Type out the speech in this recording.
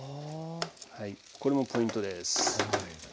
これもポイントです。